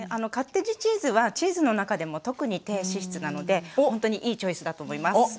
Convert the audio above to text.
カッテージチーズはチーズの中でも特に低脂質なのでほんとにいいチョイスだと思います。